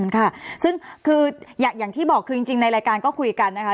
ค่ะซึ่งคืออย่างที่บอกคือจริงในรายการก็คุยกันนะคะ